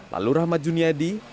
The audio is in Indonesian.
lalu rahmat juniadi